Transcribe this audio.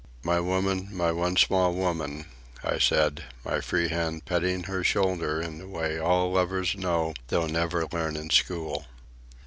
"My woman, my one small woman," I said, my free hand petting her shoulder in the way all lovers know though never learn in school.